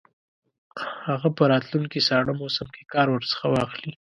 هغه په راتلونکي ساړه موسم کې کار ورڅخه واخلي.